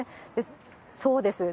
そうですね。